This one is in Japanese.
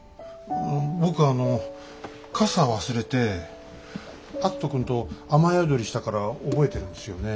僕あの傘忘れて篤人君と雨宿りしたから覚えてるんですよね。